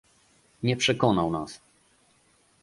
Nie przekonał nas